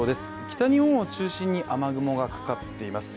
北日本を中心に雨雲がかかっています。